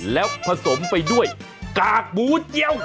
แล้วผสมไปด้วยกากหมูเจียว